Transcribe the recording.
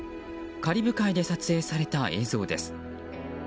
カリブ海で撮影された映像です。